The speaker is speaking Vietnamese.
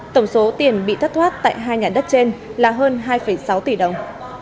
tổng số tiền bị thất thoát tại hai nhà đất trên là hơn hai sáu tỷ đồng